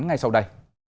ngay sau đây